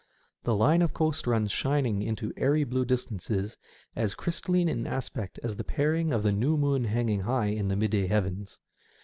The line of coast runs shining into airy blue distances, as crystalline in aspect as the paring of the new moon hanging high in the midday heavens.